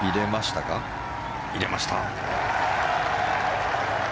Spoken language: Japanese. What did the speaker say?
入れました。